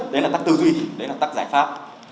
đấy là tắt tư duy đấy là tắt giải pháp